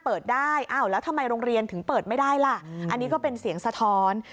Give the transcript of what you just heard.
เปิดได้อ้าวแล้วทำไมโรงเรียนถึงเปิดไม่ได้ล่ะอันนี้ก็เป็นเสียงสะท้อน